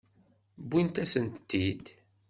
Wwin-asent-tent-id.